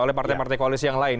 oleh partai partai koalisi yang lain